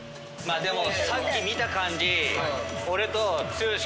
でもさっき見た感じ。